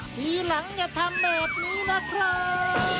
ทีหลังอย่าทำแบบนี้นะครับ